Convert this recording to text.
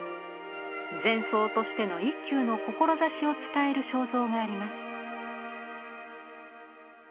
禅僧としての一休の志を伝える肖像があります。